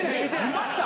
見ました？